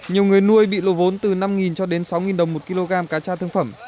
nhiều người nuôi bị lộ vốn từ năm cho đến sáu đồng một kg cá tra thương phẩm